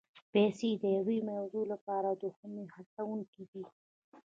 پیسې د یوې موضوع لپاره دوهمي هڅوونکي دي.